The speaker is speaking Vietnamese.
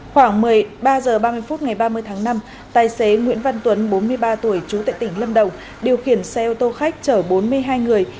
khoảng một mươi ba h ba mươi phút ngày ba mươi tháng năm tài xế nguyễn văn tuấn bốn mươi ba tuổi trú tại tỉnh lâm đồng điều khiển xe ô tô khách chở bốn mươi hai người